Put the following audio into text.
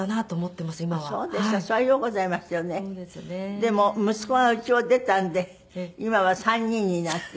でも息子が家を出たんで今は３人になって。